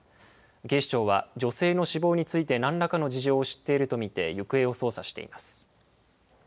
警視庁は女性の死亡についてなんらかの事情を知っていると見て行方を捜査しています。